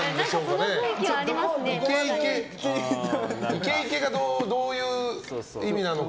イケイケがどういう意味なのか。